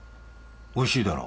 おいしいだろ？